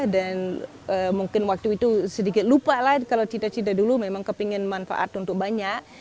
dan mungkin waktu itu sedikit lupa lah kalau cita cita dulu memang kepingin manfaat untuk banyak